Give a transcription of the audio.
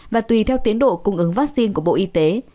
và tùy theo tiến độ cung ứng vaccine của bộ y tế